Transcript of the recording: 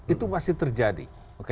itu masih terjadi